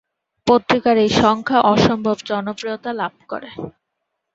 পত্রিকার এই সংখ্যা অসম্ভব জনপ্রিয়তা লাভ করে।